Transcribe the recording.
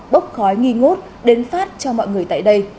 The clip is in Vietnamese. bốc khói nghi ngút đến phát cho mọi người tại đây